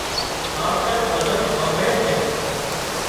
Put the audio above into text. ماوتر ڀزن هانمڀۯي سي